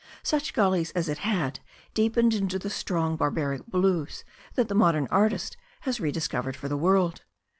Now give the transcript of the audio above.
Such gullies as it had deepened into the strong barbaric blues that the modern artist has rediscovered for the world.